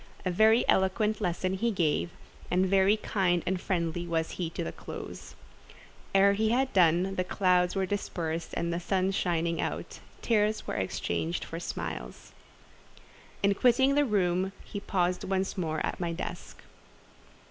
A very eloquent lesson he gave, and very kind and friendly was he to the close. Ere he had done, the clouds were dispersed and the sun shining out—tears were exchanged for smiles. In quitting the room he paused once more at my desk.